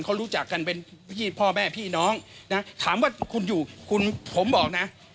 เขารู้จักกันเป็นพี่พ่อแม่พี่น้องนะถามว่าคุณอยู่คุณผมบอกนะ